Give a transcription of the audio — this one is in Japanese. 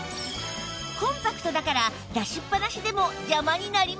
コンパクトだから出しっぱなしでも邪魔になりません